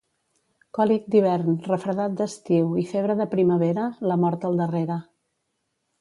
Còlic d'hivern, refredat d'estiu i febre de primavera, la mort al darrere.